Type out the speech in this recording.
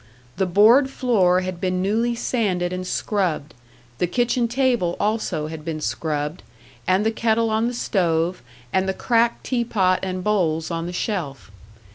The board floor had been newly sanded and scrubbed; the kitchen table also had been scrubbed, and the kettle on the stove, and the cracked tea pot and bowls on the shelf.